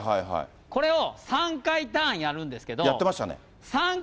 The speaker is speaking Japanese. これを３回ターンやるんですけど。